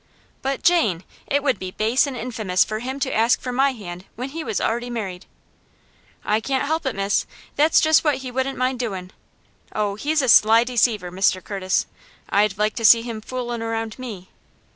"But, Jane, it would be base and infamous for him to ask for my hand when he was already married." "I can't help it, miss. That's just what he wouldn't mind doin'. Oh, he's a sly deceiver, Mr. Curtis. I'd like to see him foolin' around me."